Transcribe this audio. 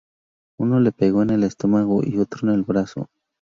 Uno le pegó en el estómago y otro en el brazo.